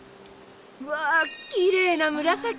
わあきれいな紫！